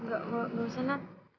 nggak nggak usah nat